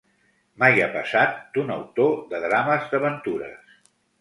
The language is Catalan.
Mai ha passat d'un autor de drames d'aventures